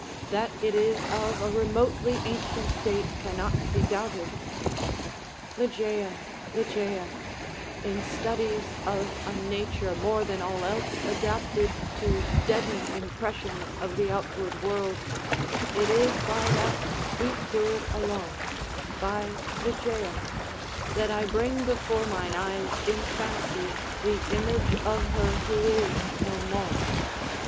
That it is of a remotely ancient date cannot be doubted. Ligeia! Ligeia! Buried in studies of a nature more than all else adapted to deaden impressions of the outward world, it is by that sweet word alone—by Ligeia—that I bring before mine eyes in fancy the image of her who is no more.